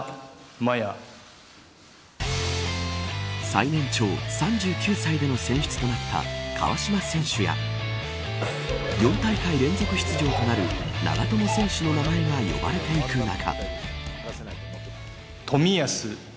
最年長、３９歳での選出となった川島選手や４大会連続出場となる長友選手の名前が呼ばれていく中。